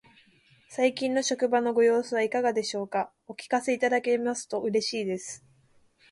最近の職場のご様子はいかがでしょうか。お聞かせいただけますと嬉しいです。